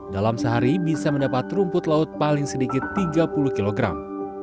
dalam sehari bisa mendapat rumput laut paling sedikit tiga puluh kilogram